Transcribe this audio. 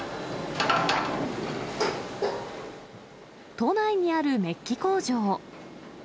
都内にあるメッキ工場。